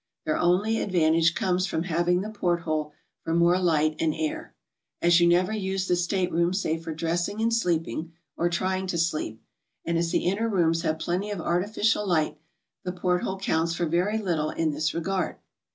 Their only advantage comes from having the port hole for more light and air. As you never use the state room save for dressing and sleeping, or trying to sleep, and as the inner rooms have plenty of artificial light, the port hole counts for very little in this regard.